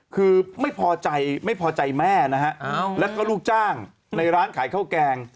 คือไม่พอใจไม่พอใจแม่นะฮะแล้วก็ลูกจ้างในร้านขายข้าวแกง